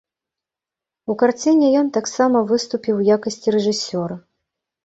У карціне ён таксама выступіў у якасці рэжысёра.